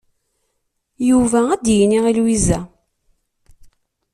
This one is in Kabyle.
Yuba ad yini i Lwiza.